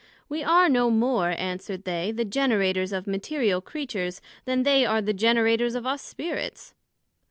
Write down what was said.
We are no more, answered they, the Generators of material Creatures, then they are the Generators of us Spirits.